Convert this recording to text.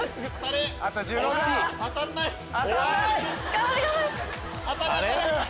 頑張れ頑張れ。